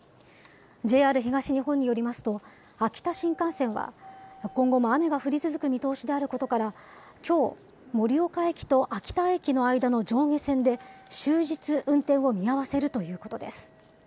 ＪＲ東日本によりますと、秋田新幹線は今後も雨が降り続く見通しであることから、きょう、盛岡駅と秋田駅の間の上下線で、終日運転を見合わせるということです。